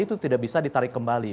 itu tidak bisa ditarik kembali